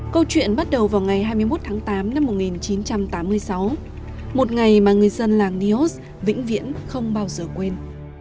câu chuyện bắt đầu vào ngày hai mươi một tháng tám năm một nghìn chín trăm tám mươi sáu một ngày mà người dân làng neos vĩnh viễn không bao giờ quên